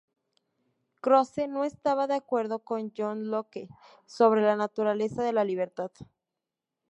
Croce no estaba de acuerdo con John Locke sobre la naturaleza de la libertad.